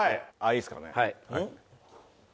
いいですかね。